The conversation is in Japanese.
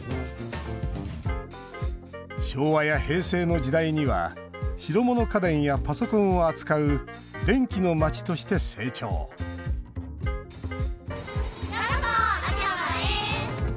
昭和や平成の時代には白物家電やパソコンを扱う電気の街として成長ようこそ、秋葉原へ！